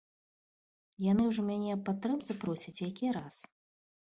Яны ўжо мяне аб падтрымцы просяць які раз.